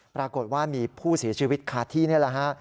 ปรากฏว่ามีผู้เสียชีวิตคาที่นี่แหละฮะ